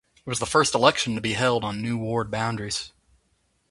It was the first election to be held on new ward boundaries.